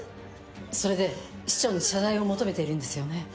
それで市長に謝罪を求めているんですよね？